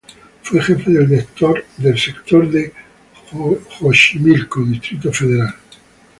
Fue jefe del Sector de Xochimilco, Distrito Federal.